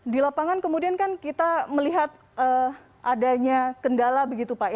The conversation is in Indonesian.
di lapangan kemudian kan kita melihat adanya kendala begitu pak